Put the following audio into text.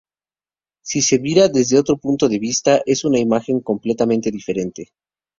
Si se mira desde otro punto de vista, es una imagen completamente diferente.